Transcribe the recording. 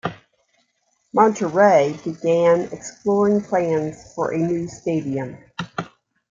Monterrey began exploring plans for a new stadium.